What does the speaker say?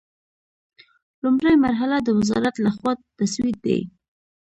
لومړۍ مرحله د وزارت له خوا تسوید دی.